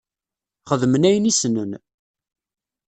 Xedmen ayen i ssnen.